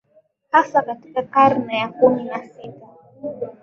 hasa katika karne ya kumi na sita